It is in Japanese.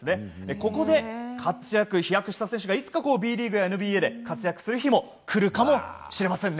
ここで活躍・飛躍した選手がいつかＢリーグやＮＢＡで活躍する日が来るかもしれません。